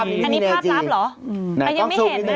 อันนี้ภาพลับเหรอเรายังไม่เห็นนะ